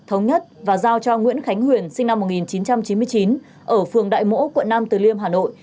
thống nhất và giao cho nguyễn khánh huyền sinh năm một nghìn chín trăm chín mươi chín ở phường đại mỗ quận nam từ liêm hà nội